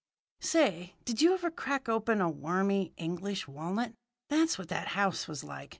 "Say, did you ever crack open a wormy English walnut? That's what that house was like.